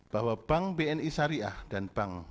bahwa bank bni syariah dan bank